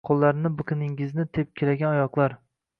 Qo‘llarni biqiningizni tepkilagan oyoqlar